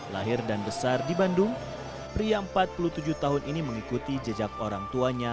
lahir dan besar di bandung pria empat puluh tujuh tahun ini mengikuti jejak orang tuanya